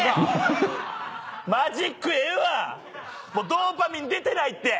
ドーパミン出てないって！